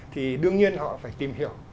thì đương nhiên họ phải tìm hiểu